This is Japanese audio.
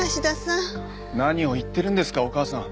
何を言ってるんですかお義母さん。